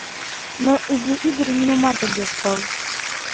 Но изи ӱдыр нимомат огеш кол.